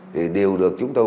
thì đều được chúng tôi